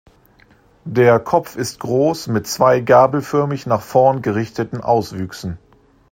Der Kopf ist groß mit zwei gabelförmig nach vorn gerichteten Auswüchsen.